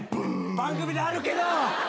番組であるけど！